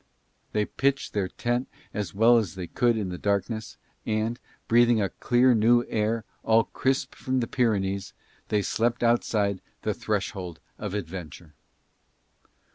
They pitched their tent as well as they could in the darkness; and, breathing a clear new air all crisp from the Pyrenees, they slept outside the threshold of adventure.